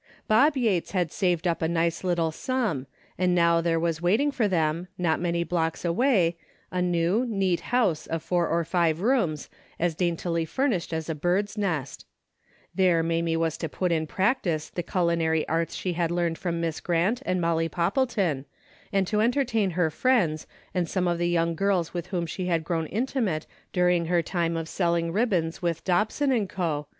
Bob Yates had saved up a nice little sum, and now there was waiting for them, not many blocks away, a new, neat house of four or five rooms, as daintily furnished as a bird's nest. There Mamie was to put in practice the cul DAILY RATE. 339 inary arts she had learned from Miss Grant and Molly Poppleton, and to entertain her friends, and some of the young girls with whom she had grown intimate during her time of selling ribbons with Dobson and Co.